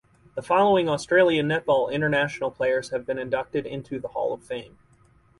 The following Australian netball international players have been inducted into the Hall of Fame.